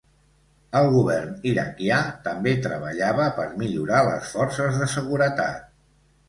El govern iraquià també treballava per millorar les forces de seguretat.